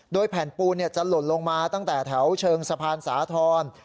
โดยแผ่นปูนจะหล่นลงมาตั้งแต่แถวเชิงสะพานสาธรณ์